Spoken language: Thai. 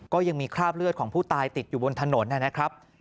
ก็ยังมีคราบเลือดของผู้ตายติดอยู่บนถนนนะครับ